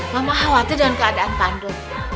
mama khawatir dengan keadaan pandu